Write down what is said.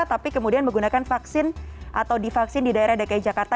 tapi kemudian menggunakan vaksin atau divaksin di daerah dki jakarta